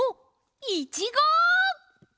いちご！